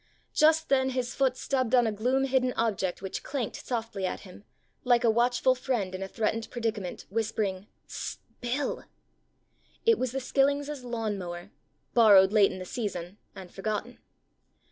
Just then his foot stubbed on a gloom hidden object which clanked softly at him, like a watchful friend in a threatened predicament whispering, "Sst, Bill !" It was the "Skillingses' " lawn mower, borrowed late in the season and forgotten.